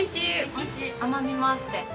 美味しい甘みもあって。